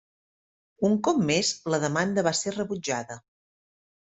Un cop més la demanda va ser rebutjada.